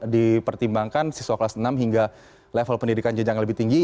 dipertimbangkan siswa kelas enam hingga level pendidikan jejangan lebih tinggi